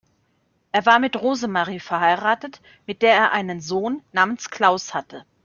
Er war mit Rosemarie verheiratet, mit der er einen Sohn namens Klaus hatte.